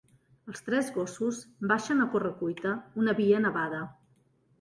Els tres gossos baixen a corre-cuita una via nevada.